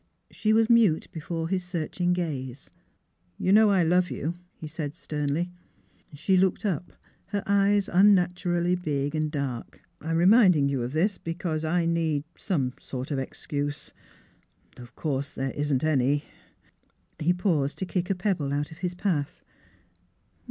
She was mute before his searching gaze. ' You know I love you," he said sternly. She looked up, her eyes unnaturally big and dark. " I'm reminding you of this because I need some sort of excuse though of course there isn't any." He paused to kick a pebble out of his path.